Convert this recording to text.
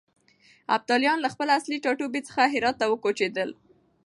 ابداليان له خپل اصلي ټاټوبي څخه هرات ته وکوچېدل.